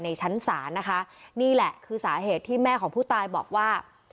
ชั้นศาลนะคะนี่แหละคือสาเหตุที่แม่ของผู้ตายบอกว่า